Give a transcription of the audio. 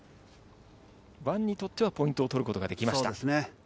ワンにとってはポイントを取ることができました。